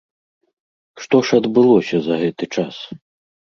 Што ж адбылося за гэты час?